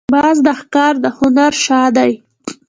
باز د ښکار د هنر شاه دی